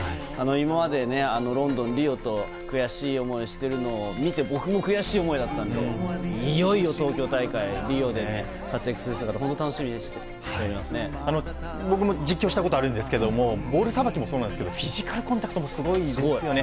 今までロンドン、リオと悔しい思いをしているのを見て僕も悔しい思いだったのでいよいよ東京大会で活躍する姿僕も実況したことあるんですがボールさばきもそうなんですがフィジカルコンタクトもすごいですね。